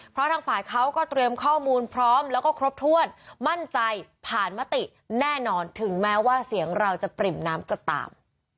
เพราะทางฝ่ายเขาก็เตรียมข้อมูลพร้อมแล้วก็ครบถ้วนมั่นใจผ่านมติแน่นอนถึงแม้ว่าเสียงเราจะปริ่มน้ำจะตาม